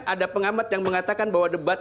ada pengamat yang mengatakan bahwa debat